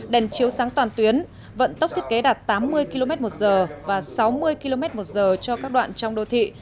đèn chiếu sáng toàn tuyến vận tốc thiết kế đạt tám mươi km một giờ và sáu mươi km một giờ cho các đoạn trong đô thị